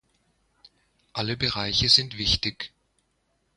Alle Bereiche sind wichtig.